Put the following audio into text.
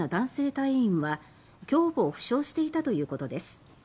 隊員は胸部を負傷していたということです。